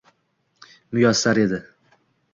Muyassar edi.